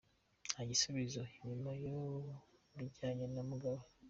Nta gusubira inyuma ku bijyanye na Mugabe.